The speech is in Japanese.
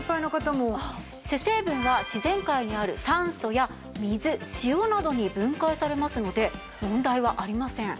主成分は自然界にある酸素や水塩などに分解されますので問題はありません。